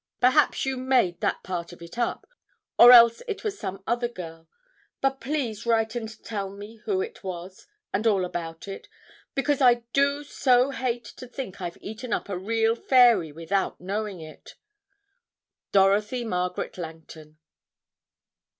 Perhaps you made that part of it up, or else it was some other girl, but please write and tell me who it was and all about it, because I do so hate to think I've eaten up a real fairy without knowing it. DOROTHY MARGARET LANGTON.'